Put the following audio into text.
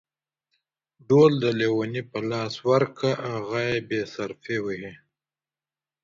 ډول د ليوني په لاس ورکه ، هغه يې بې صرفي وهي.